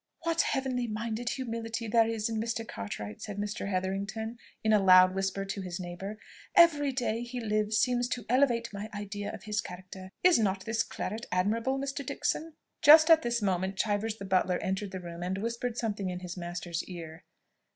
"What heavenly minded humility there is in Mr. Cartwright!" said Mr. Hetherington in a loud whisper to his neighbour: "every day he lives seems to elevate my idea of his character. Is not this claret admirable, Mr. Dickson?" Just at this moment Chivers the butler entered the room and whispered something in his master's ear.